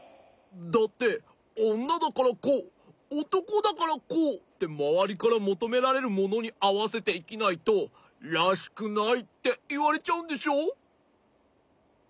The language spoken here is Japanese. だっておんなだからこうおとこだからこうってまわりからもとめられるものにあわせていきないと「らしくない！」っていわれちゃうんでしょ？